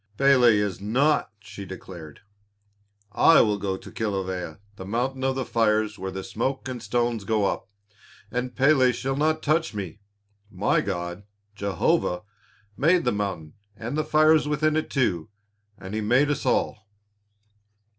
"Pélé is nought," she declared, "I will go to Kilawea, the mountain of the fires where the smoke and stones go up, and Pélé shall not touch me. My God, Jehovah, made the mountain and the fires within it too, as He made us all."